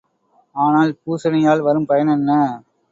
ஆனால் பூசனையால் வரும் பயனென்ன?